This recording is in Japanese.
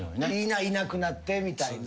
いなくなってみたいな。